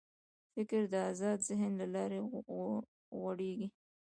فکر د آزاد ذهن له لارې غوړېږي.